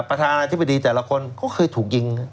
ประธานาธิบดีแต่ละคนก็เคยถูกยิง